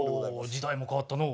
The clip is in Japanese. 時代も変わったのう。